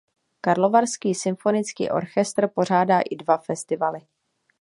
Karlovarský symfonický orchestr pořádá i dva festivaly.